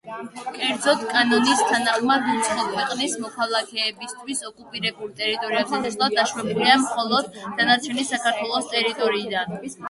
კერძოდ, კანონის თანახმად, უცხო ქვეყნის მოქალაქეებისათვის ოკუპირებულ ტერიტორიებზე შესვლა დაშვებულია მხოლოდ დანარჩენი საქართველოს ტერიტორიიდან.